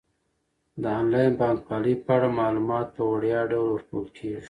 د انلاین بانکوالۍ په اړه معلومات په وړیا ډول ورکول کیږي.